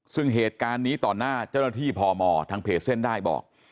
ซึ่งเหตุการณ์นี้ต่อหน้าเจ้าหน้าที่พมทางเพจเส้นได้บอก